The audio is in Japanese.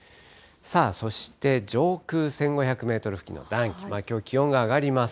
そして、上空１５００メートル付近の暖気、きょう、気温が上がります。